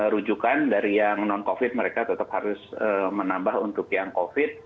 rujukan dari yang non covid mereka tetap harus menambah untuk yang covid